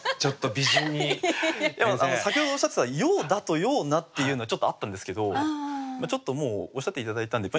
先ほどおっしゃってた「ようだ」と「ような」っていうのはちょっとあったんですけどもうおっしゃって頂いたんで